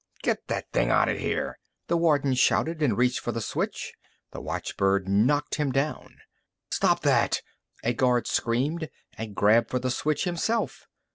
"Get that thing out of here!" the warden shouted, and reached for the switch. The watchbird knocked him down. "Stop that!" a guard screamed, and grabbed for the switch himself.